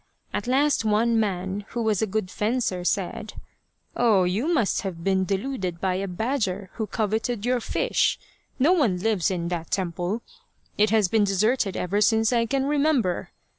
At last one man, who was a good fencer, said : "Oh, you must have been deluded by a badger who coveted your fish. No one lives in that temple. It has been deserted ever since I can remember.